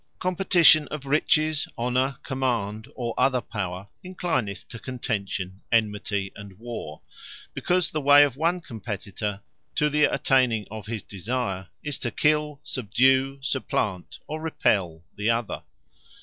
Love Of Contention From Competition Competition of Riches, Honour, command, or other power, enclineth to Contention, Enmity, and War: because the way of one Competitor, to the attaining of his desire, is to kill, subdue, supplant, or repell the other.